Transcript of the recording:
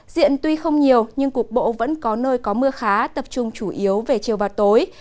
diện tuy không nhiều nhưng cục bộ vẫn có nơi có mưa khá tập trung chủ yếu về chiều và tối